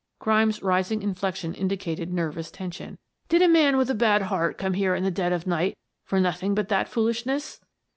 Grimes' rising inflection indicated nervous tension. "Did a man with a bad heart come here in the dead of night for nothing but that foolishness?"